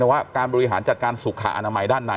แต่ว่าการบริหารจัดการสุขอนามัยด้านใน